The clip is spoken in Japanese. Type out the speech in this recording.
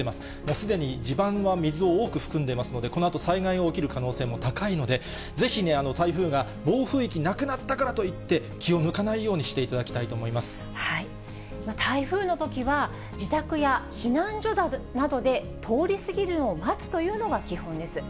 すでに地盤は水を多く含んでいますので、このあと、災害が起きる可能性も高いので、ぜひ台風が暴風域、なくなったからといって気を抜かないようにしていただきたいと思台風のときは、自宅や避難所などで通り過ぎるのを待つというのが基本です。